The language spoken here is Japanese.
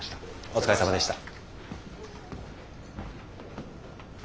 お疲れさまでした。